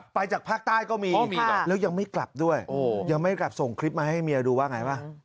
จากภาคใต้ก็มีแล้วยังไม่กลับด้วยยังไม่กลับส่งคลิปมาให้เมียดูว่าไงป่ะ